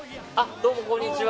どうも、こんにちは。